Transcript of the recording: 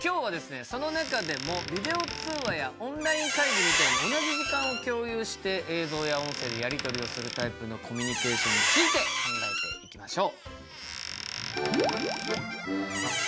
その中でもビデオ通話やオンライン会議みたいに同じ時間を共有して映像や音声でやり取りをするタイプのコミュニケーションについて考えていきましょう。